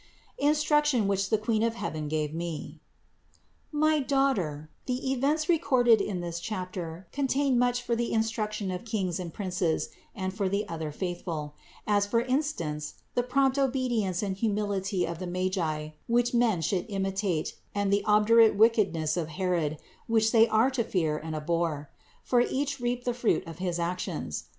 INSTRUCTION WHICH THE QUEEN OF HEAVEN GAVE ME. 562. My daughter, the events recorded in this chapter contain much for the instruction of kings and princes THE INCARNATION 475 and for the other faithful; as for instance, the prompt obedience and humility of the Magi, which men should imitate, and the obdurate wickedness of Herod, which they are to fear and abhor; for each reaped the fruit of his actions.